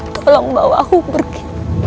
tolong bawa aku pergi